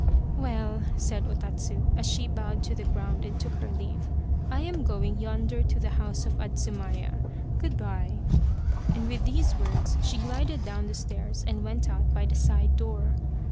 " Well," said O Tatsu, as she bowed to the ground and took her leave, " I am going yonder to the house of Adzumaya, good bye !" and with these words she glided down the stairs and went out by the side door.